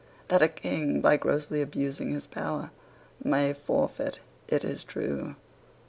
That a King by grossly abusing his power may forfeit it is true.